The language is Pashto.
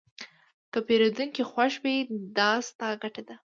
که پیرودونکی خوښ وي، دا ستا ګټه ده.